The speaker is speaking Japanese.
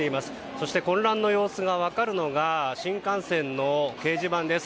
そして混乱の様子が分かるのが新幹線の掲示板です。